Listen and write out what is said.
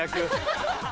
ハハハ！